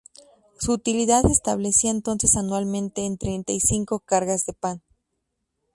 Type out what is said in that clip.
Su utilidad se establecía entonces anualmente en treinta y cinco cargas de pan.